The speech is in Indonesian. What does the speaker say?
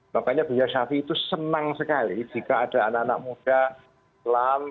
makanya buya syafiq itu senang sekali jika ada anak anak muda islam